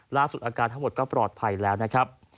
ล่าสุดอาการทั้งหมดก็ปลอดภัยแล้วนะครับ